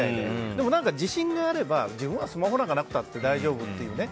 でも、自信があれば自分はスマホなんかなくたって大丈夫っていうね。